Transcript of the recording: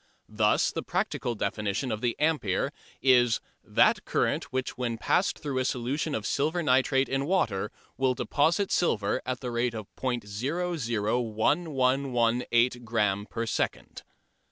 Thus the practical definition of the ampere is "that current which when passed through a solution of silver nitrate in water will deposit silver at the rate of ·001118 gramme per second."